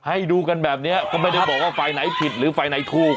ให้ดูกันแบบนี้ก็ไม่ได้บอกว่าฝ่ายไหนผิดหรือฝ่ายไหนถูก